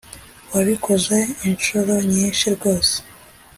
wabikoze inshuro nyinshi rwose